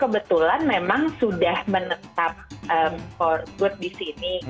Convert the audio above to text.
kebetulan memang sudah menetap for good di sini